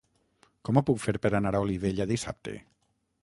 Com ho puc fer per anar a Olivella dissabte?